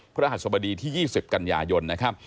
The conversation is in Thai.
พระอาทธิบดีที่๒๐กันยายนนะครับ